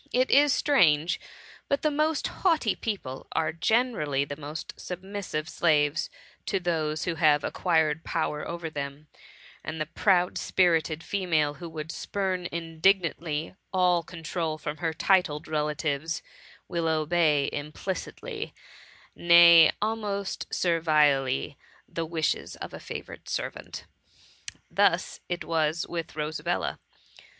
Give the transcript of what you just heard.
It is strange, but the most haughty people are generally the most submissive slaves to those who have acquired power over them, and the proud spirited female who would spurn indignantly all control from her titled relatives, will obey implicitly ~ nay, almost servilely, the wishes of a favourite servant. Thus it was with Rosabella.